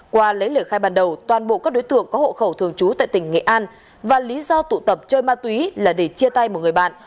qua lấy lời khai ban đầu toàn bộ các đối tượng có hộ khẩu thường trú tại tỉnh nghệ an và lý do tụ tập chơi ma túy là để chia tay một người bạn